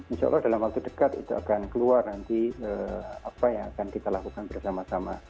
insya allah dalam waktu dekat itu akan keluar nanti apa yang akan kita lakukan bersama sama